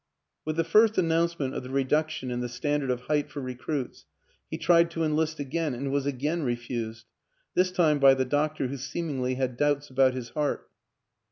With the first announcement of the reduction in the standard of height for recruits he tried to enlist again and was again refused this time by the doctor who seemingly had doubts about his heart.